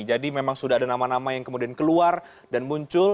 jadi memang sudah ada nama nama yang kemudian keluar dan muncul